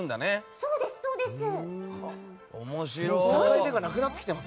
そうです、そうです。